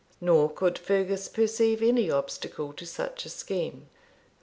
Nor could Fergus perceive any obstacle to such a scheme.